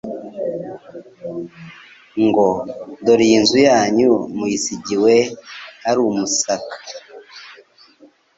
ngo: "Dore iyi nzu yanyu muyisigiwe ari umusaka."